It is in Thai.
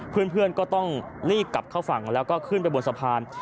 เพื่อนก็ต้องรีบกลับเข้าฝั่งแล้วก็ขึ้นไปบนสะพาน